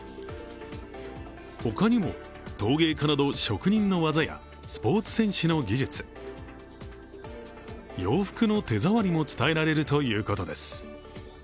他にも、陶芸家など職人の技やスポーツ選手の技術、洋服の手触りも伝えられるということです。